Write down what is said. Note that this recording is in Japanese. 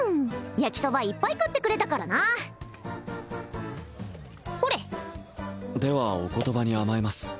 焼きそばいっぱい買ってくれたからなほれではお言葉に甘えます